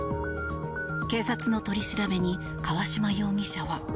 警察の取り調べに川島容疑者は。